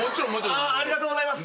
ありがとうございます。